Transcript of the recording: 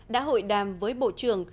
đã hội đàm với bộ trưởng